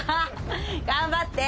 頑張って。